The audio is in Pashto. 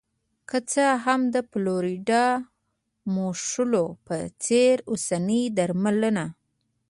که څه هم د فلورایډ موښلو په څېر اوسنۍ درملنه